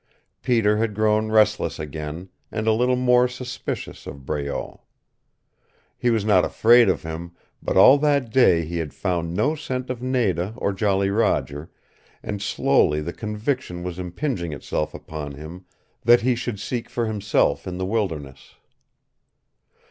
Peter had grown restless again, and a little more suspicious of Breault. He was not afraid of him, but all that day he had found no scent of Nada or Jolly Roger, and slowly the conviction was impinging itself upon him that he should seek for himself in the wilderness.